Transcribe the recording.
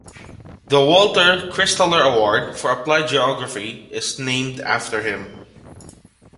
The Walter Christaller Award for Applied Geography is named after him.